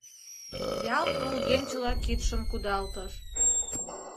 Ялт волгенчыла кидшым кудалтыш.